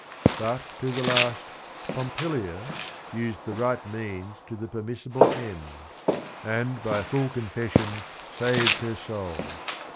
But to the last Pompilia "used the right means to the permissible end, and by a full confession saved her soul."